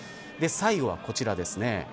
最後は、こちらです。